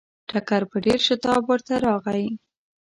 ټکر په ډېر شتاب ورته راغی.